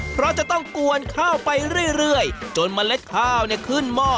เพราะจะต้องกวนข้าวไปเรื่อยจนเมล็ดข้าวเนี่ยขึ้นหม้อ